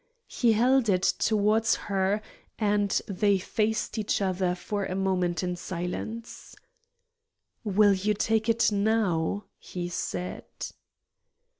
He held it towards her, and they faced each other for a moment in silence. "Will you take it now?" he said.